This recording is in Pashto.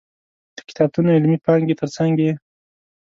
د کتابتون علمي پانګې تر څنګ یې.